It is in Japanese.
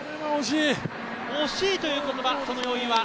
惜しいという言葉、その要因は？